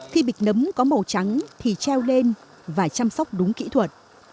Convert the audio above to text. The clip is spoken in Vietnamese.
khi bịch nấm có màu trắng thì treo lên và chăm sóc đúng kỹ thuật